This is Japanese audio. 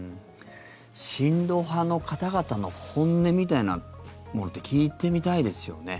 親ロ派の方々の本音みたいなものって聞いてみたいですよね。